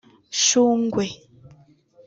Shungwe